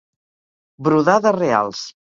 Brodar de reals.